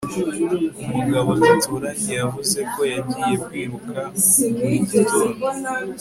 umugabo duturanye yavuze ko yagiye kwiruka buri gitondo